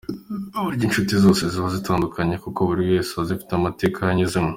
Burya inshuti zose ziba zitandukanye kuko buri wese aza afite amateka yanyuzemo.